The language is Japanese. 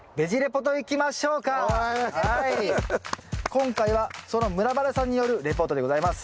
今回はそのムラまるさんによるレポートでございます。